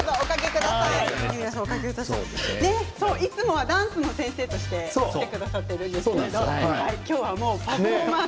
いつもはダンスの先生として来てくださっているんですけれど今日はもう。